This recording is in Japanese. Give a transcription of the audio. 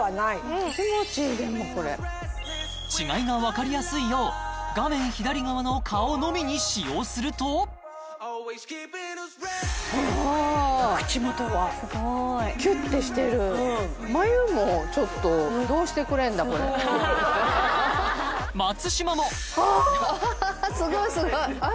でも違いがわかりやすいよう画面左側の顔のみに使用するとああ口元がすごいキュッてしてる眉もちょっとどうしてくれんだこれ松嶋もすごいすごい！